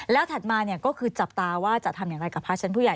แล้วถัดมาก็คือจับตาว่าจะทำอย่างไรกับพระชั้นผู้ใหญ่